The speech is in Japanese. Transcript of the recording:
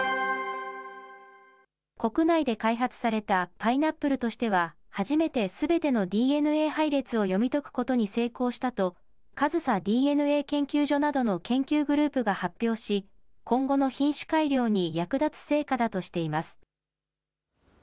国内で開発されたパイナップルとしては、初めてすべてのＤＮＡ配列を読み解くことに成功したと、かずさＤＮＡ研究所などの研究グループが発表し、今後の品種改良に役立つ成果だとしています。